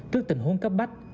trước tình huống cấp bách